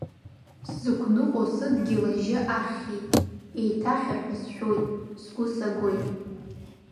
Сзықәныҟәо сыдгьыл ажьы ахьхьеит, еиҭахьыр ҳәа сшәоит, сгәы сагоит.